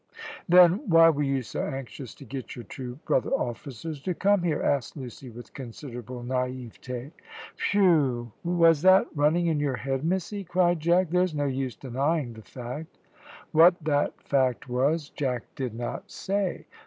"Then why were you so anxious to get your two brother officers to come here?" asked Lucy, with considerable naivete. "Whew! was that running in your head, missie?" cried Jack. "There's no use denying the fact." What that fact was Jack did not say.